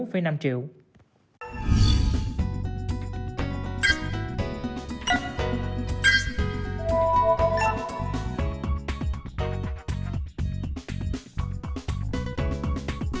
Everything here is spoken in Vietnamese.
hãy đăng ký kênh để ủng hộ kênh của mình nhé